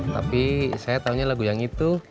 tapi saya taunya lagu yang itu